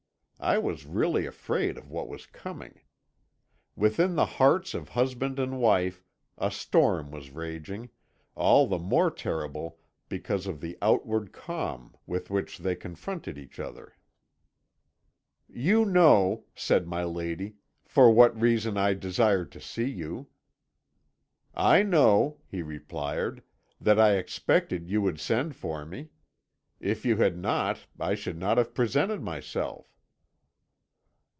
I was really afraid of what was coming. Within the hearts of husband and wife a storm was raging, all the more terrible because of the outward calm with which they confronted each other. "'You know,' said my lady, 'for what reason I desired to see you.' "'I know,' he replied,' that I expected you would send for me. If you had not, I should not have presented myself.'